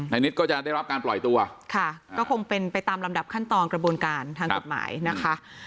นิดก็จะได้รับการปล่อยตัวค่ะก็คงเป็นไปตามลำดับขั้นตอนกระบวนการทางกฎหมายนะคะ